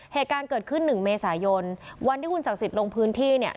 เหตุการณ์เกิดขึ้นหนึ่งเมษายนวันที่คุณศักดิ์สิทธิ์ลงพื้นที่เนี่ย